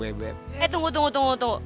eh tunggu tunggu tunggu